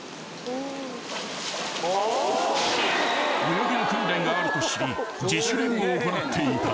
［泳ぎの訓練があると知り自主練を行っていた］